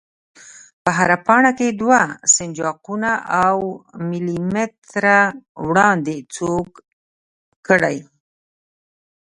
په هره پاڼه کې دوه سنجاقونه او ملي متره وړاندې چوګ کړئ.